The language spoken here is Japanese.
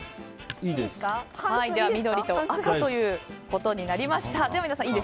では緑と赤ということになりました。